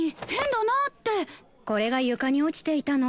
これが床に落ちていたの。